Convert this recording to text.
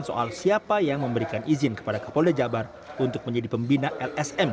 soal siapa yang memberikan izin kepada kapolda jabar untuk menjadi pembina lsm